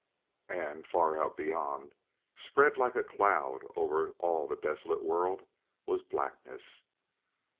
And, far out beyond, spread like a cloud over all the desolate world, was blackness.